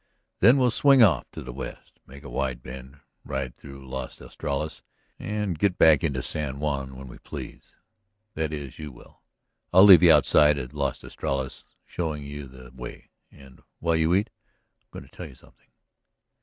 Then we'll swing off to the west, make a wide bend, ride through Las Estrellas and get back into San Juan when we please. That is you will; I'll leave you outside of Las Estrellas, showing you the way. And, while we eat, I am going to tell you something."